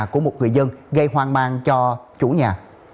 của một người dân gây hoang mang cho chủ nhà